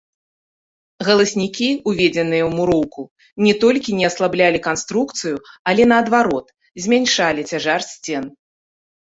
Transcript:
Галаснікі, уведзеныя ў муроўку, не толькі не аслаблялі канструкцыю, але наадварот, змяншалі цяжар сцен.